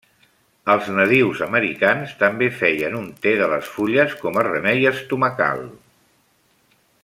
Els nadius americans també feien un te de les fulles com a remei estomacal.